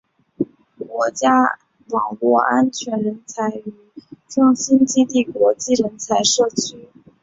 国家网络安全人才与创新基地国际人才社区